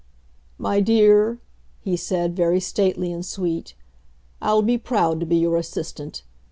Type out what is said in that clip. "My dear," he said, very stately and sweet, "I'll be proud to be your assistant.